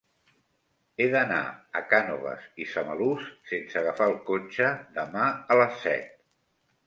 He d'anar a Cànoves i Samalús sense agafar el cotxe demà a les set.